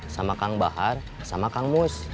sama kang bahar sama kang mus